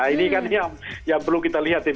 ini kan yang perlu kita lihatin